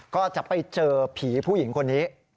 ก็จะไปเจอผีผู้หญิงคนนี้